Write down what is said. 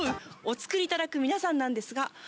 お作りいただく皆さんなんですが。